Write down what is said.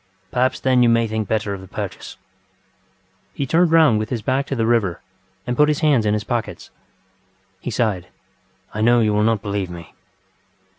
Perhaps then you may think better of the purchase. ŌĆØ He turned round with his back to the river, and put his hands in his pockets. He sighed. ŌĆ£I know you will not believe me.